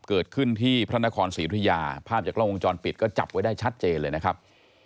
เกิดขึ้นที่พระนครศรีธุยาภาพจากกล้องวงจรปิดก็จับไว้ได้ชัดเจนเลยนะครับ